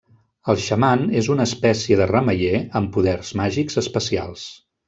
El xaman és una espècie de remeier, amb poders màgics especials.